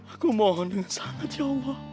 aku mohon dengan sangat ya allah